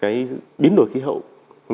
cái biến đổi khí hậu cái biến đổi khí hậu